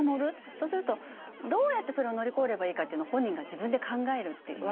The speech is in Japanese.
そうするとどうやってそれを乗り越えればいいかっていうの本人が自分で考えるっていうわけですよね。